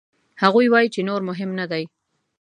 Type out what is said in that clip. هغوی وايي چې نور مهم نه دي.